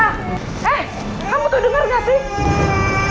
eh kamu tuh denger gak sih